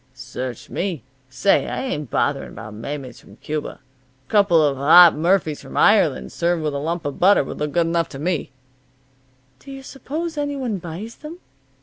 "Search me. Say, I ain't bothering about maymeys from Cuba. A couple of hot murphies from Ireland, served with a lump of butter, would look good enough to me." "Do you suppose any one buys them?"